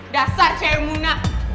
dasar cewek muna